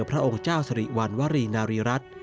พระองค์เจ้าสริวัณวรีนารีรัฐ